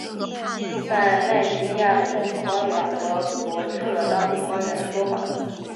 但奈及利亚的政府官员则驳斥了当地官员的说法。